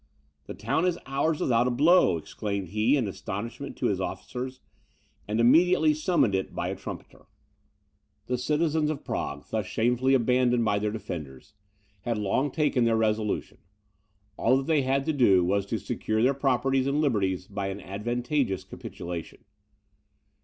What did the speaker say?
"The town is ours without a blow!" exclaimed he in astonishment to his officers, and immediately summoned it by a trumpeter. The citizens of Prague, thus shamefully abandoned by their defenders, had long taken their resolution; all that they had to do was to secure their properties and liberties by an advantageous capitulation.